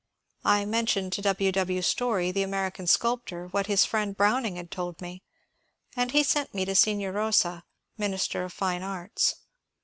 I mentioned to W. W. Story, the American sculptor, what his friend Browning had told me, and he sent me to Signer Bosa, Minister of Fine Arts.